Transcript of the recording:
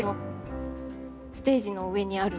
ステージの上にあるもの。